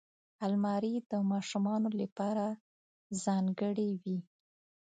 الماري د ماشومانو لپاره ځانګړې وي